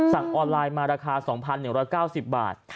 สั่งออนไลน์มาราคา๒๑๙๐บาท